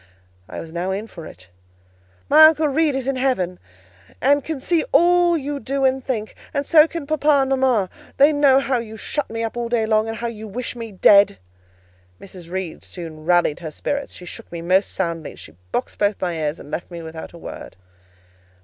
I was now in for it. "My Uncle Reed is in heaven, and can see all you do and think; and so can papa and mama: they know how you shut me up all day long, and how you wish me dead." Mrs. Reed soon rallied her spirits: she shook me most soundly, she boxed both my ears, and then left me without a word.